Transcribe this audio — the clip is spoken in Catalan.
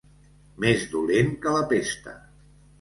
Més dolent que la pesta.